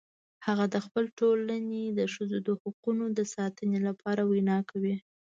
هغه د خپل ټولنې د ښځو د حقونو د ساتنې لپاره ویناوې کوي